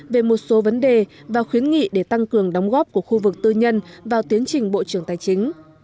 về một số vấn đề và khuyến nghị để tăng cường đóng góp của khu vực tư nhân vào tiến trình bộ trưởng tài chính